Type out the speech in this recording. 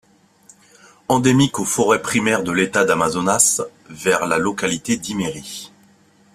Endémique aux forêts primaires de l'État d'Amazonas, vers la localité d'Imeri.